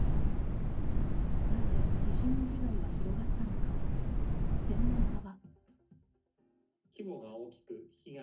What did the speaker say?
なぜ地震の被害は広がったのか、専門家は。